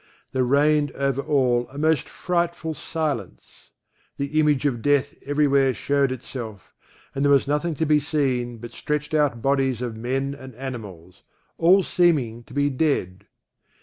There reigned over all a most frightful silence; the image of death everywhere shewed itself, and there was nothing to be seen but stretched out bodies of men and animals, all seeming to be dead.